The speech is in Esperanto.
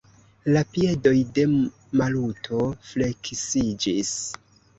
La piedoj de Maluto fleksiĝis.